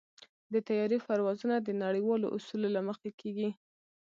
د طیارې پروازونه د نړیوالو اصولو له مخې کېږي.